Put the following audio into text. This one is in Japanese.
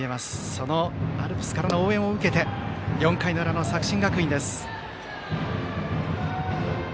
そのアルプスからの応援を受けて４回の裏の作新学院です。